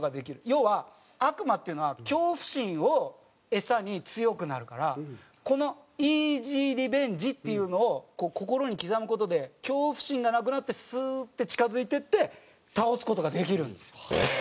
要は悪魔っていうのは恐怖心をエサに強くなるからこの「Ｅａｓｙｒｅｖｅｎｇｅ！」っていうのを心に刻む事で恐怖心がなくなってスーッて近付いていって倒す事ができるんですよ。